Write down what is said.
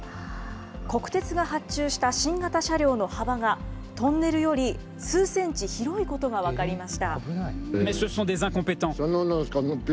国鉄が発注した新型車両の幅が、トンネルより数センチ広いことが危ない。